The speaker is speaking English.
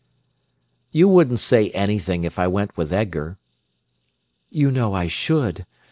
"You wouldn't say anything if I went with Edgar." "You know I should.